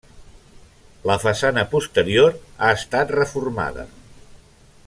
La façana posterior ha estat reformada.